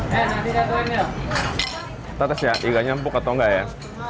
kita tes ya tidak nyempuk atau enggak ya